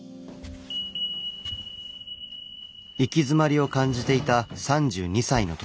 行き詰まりを感じていた３２歳の時。